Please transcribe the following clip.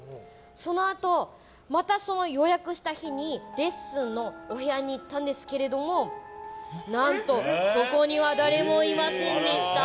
そのあと、またその予約した日にレッスンのお部屋に行ったんですけど何と、そこには誰もいませんでした。